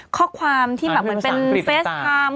ข้อความที่แบบเหมือนเป็นเฟสไทม์